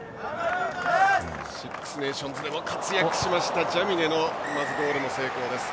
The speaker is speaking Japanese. シックス・ネーションズで活躍したジャミネのゴールの成功です。